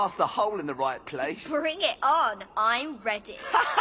ハハハ。